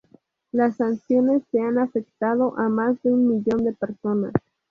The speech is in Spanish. Las sanciones han afectado a más de un millón de personas.